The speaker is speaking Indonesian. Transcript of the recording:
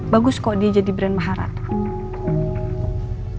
bagus kok dia jadi brand maharata